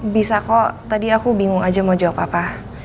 bisa kok tadi aku bingung aja mau jawab apa apa